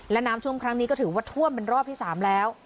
และน้ำท่วมครั้งนี้ก็ถือว่าท่วมเป็นรอบที่๓แล้ว